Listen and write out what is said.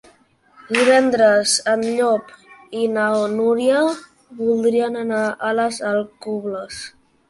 Divendres en Llop i na Núria voldrien anar a les Alcubles.